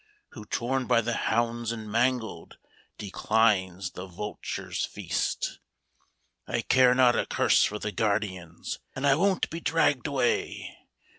Who, torn by the hounds and mangled. Declines the vulture's feast *' I care not a^curse for the guardians, And I won't be dragged away.